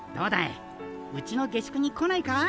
うちの下宿に来ないか？